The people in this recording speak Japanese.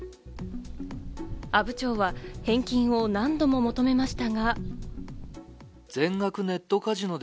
阿武町は返金を何度も求めましたが。